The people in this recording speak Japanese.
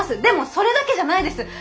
でもそれだけじゃないです！